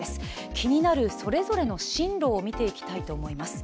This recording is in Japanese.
気になるそれぞれの進路を見ていきたいと思います。